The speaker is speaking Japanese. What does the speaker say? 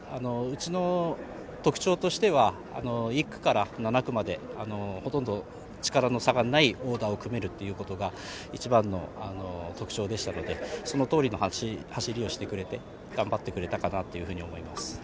うちの特徴としては、１区から７区までほとんど力の差がないオーダーを組めるということが一番の特徴でしたのでそのとおりの走りをしてくれて、頑張ってくれたかなと思います。